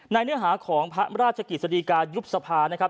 ในเนื้อหาของพระราชกิจศรีการยุบสภา